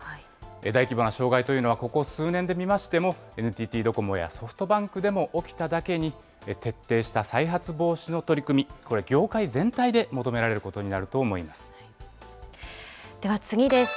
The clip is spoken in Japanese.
大規模な障害というのは、ここ数年で見ましても、ＮＴＴドコモやソフトバンクでも起きただけに、徹底した再発防止の取り組み、これ、業界全体で求められることにでは次です。